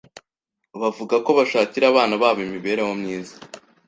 bavuga ko bashakira abana babo imibereho myiza